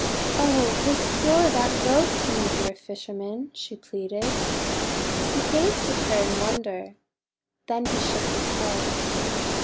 "Oh! restore that robe to me, dear fisherman," she pleaded. He gazed at her in wonder. Then he shook his head.